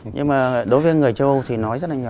nhưng mà đối với người châu âu thì nói rất là nhiều